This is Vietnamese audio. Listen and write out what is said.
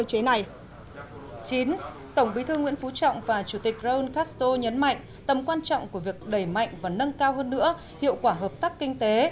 tổng bí thư nguyễn phú trọng và chủ tịch ron kasto nhấn mạnh tầm quan trọng của việc đẩy mạnh và nâng cao hơn nữa hiệu quả hợp tác kinh tế